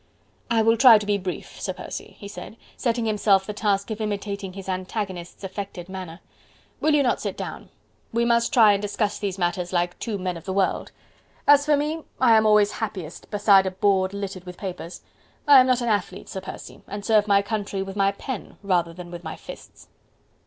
"I will try to be brief, Sir Percy," he said, setting himself the task of imitating his antagonist's affected manner. "Will you not sit down?... We must try and discuss these matters like two men of the world.... As for me, I am always happiest beside a board littered with papers.... I am not an athlete, Sir Percy... and serve my country with my pen rather than with my fists."